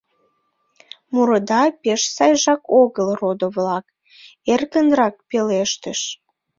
— Мурыда пеш сайжак огыл, родо-влак, — эркынрак пелештыш.